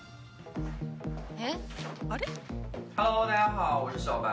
えっ？あれ？